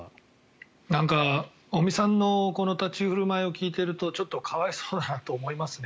なんか、尾身さんのこの立ち振る舞いを聞いているとちょっと可哀想だなと思いますね。